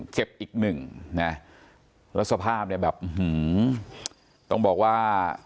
เจ็บอีกหนึ่งนะแล้วสภาพเนี่ยแบบต้องบอกว่า